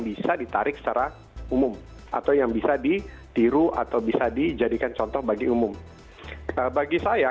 bisa ditarik secara umum atau yang bisa ditiru atau bisa dijadikan contoh bagi umum bagi saya